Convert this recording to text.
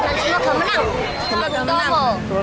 pertama kali memang mem divorcedrikan timnas improves